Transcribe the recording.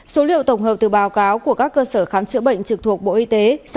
số liệu tổng hợp từ báo cáo của các cơ sở khám chữa bệnh trực thuộc bộ y tế